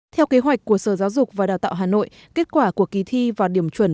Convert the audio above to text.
theo kế hoạch của sở giáo dục và đào tạo hà nội kết quả của kỳ thi và điểm chuẩn